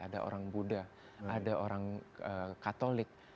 ada orang buddha ada orang katolik